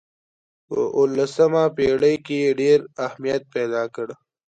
په اولسمه پېړۍ کې یې ډېر اهمیت پیدا کړ.